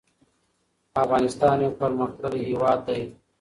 افغانستان يو پرمختللی هيواد ده